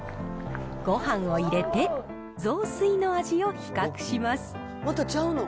ごはんを入れて、雑炊の味を比較します。